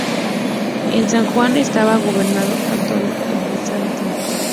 En San Juan estaba gobernando Antonino Aberastain.